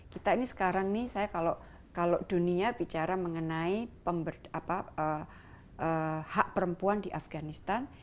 kita ini sekarang nih saya kalau dunia bicara mengenai hak perempuan di afganistan